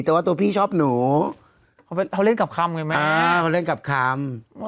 แต่ว่าตัวพี่ชอบหนูเขาเล่นกับคำไงแม่เขาเล่นกับคำ